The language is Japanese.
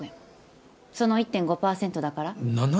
その１．５％だから。